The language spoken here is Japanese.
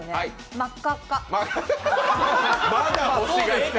真っ赤っか。